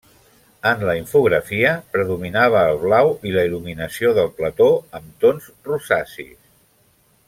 En la infografia predominava el blau i la il·luminació del plató amb tons rosacis.